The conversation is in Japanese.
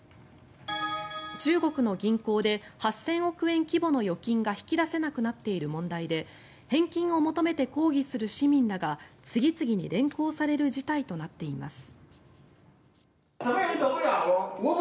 中国の銀行で８０００億円規模の預金が引き出せなくなっている問題で返金を求めて抗議する市民らが次々に連行される事態となっています。